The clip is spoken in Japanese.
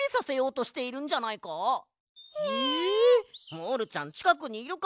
モールちゃんちかくにいるかも。